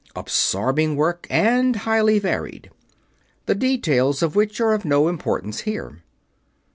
Absorbing work, and highly varied; the details of which are of no importance here.